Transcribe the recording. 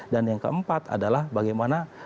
dan yang keempat adalah bagaimana